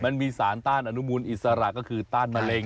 มันมีสารต้านอนุมูลอิสระก็คือต้านมะเร็ง